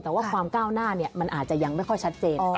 แต่ว่าความก้าวหน้ามันอาจจะยังไม่ค่อยชัดเจน